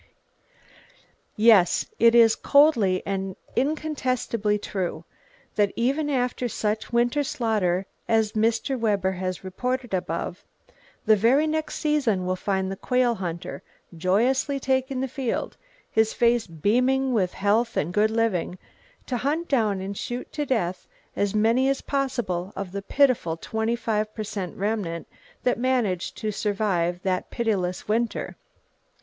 Yes, it is coldly and incontestably true, that even after such winter slaughter as Mr. Webber has reported above, the very next season will find the quail hunter joyously taking the field, his face beaming with health and good living, to hunt down and shoot to death as many as possible of the pitiful 25 per cent remnant that managed to survive the pitiless winter.